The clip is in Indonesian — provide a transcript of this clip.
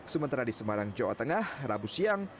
sementara di semarang jawa tengah rabu siang